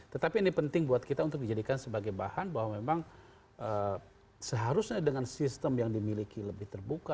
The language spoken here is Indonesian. tetapi ini penting buat kita untuk dijadikan sebagai bahan bahwa memang seharusnya dengan sistem yang dimiliki lebih terbuka